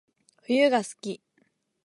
冬が好き